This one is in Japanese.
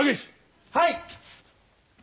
はい！